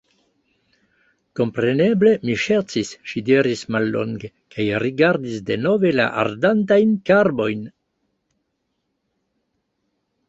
Kompreneble, mi ŝercis, ŝi diris mallonge kaj rigardis denove la ardantajn karbojn.